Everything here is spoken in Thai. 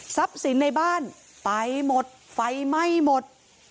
สินในบ้านไปหมดไฟไหม้หมด